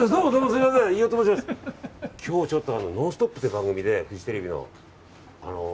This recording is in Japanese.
今日、「ノンストップ！」という番組で、フジテレビの。